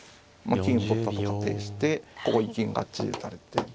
金を取ったと仮定してここに金がっちり打たれて。